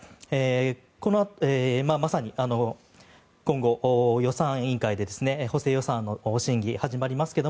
まさに今後、予算委員会で補正予算の審議が始まりますが